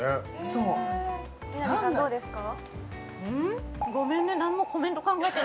そう南さんどうですか？